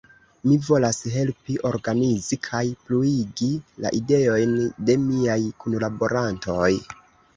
Mi volas helpi organizi kaj pluigi la ideojn de miaj kunlaborantoj.